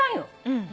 うん。